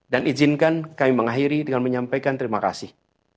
dan izinkan kami mengakhiri dengan menyampaikan terima kasih